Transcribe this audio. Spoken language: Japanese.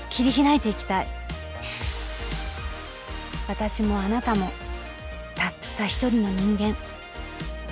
私もあなたもたった一人の人間。